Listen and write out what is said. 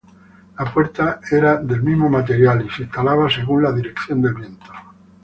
La puerta era del mismo material y se instalaba según la dirección del viento.